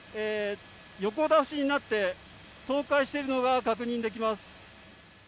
横倒しになって倒壊しているのが確認できます。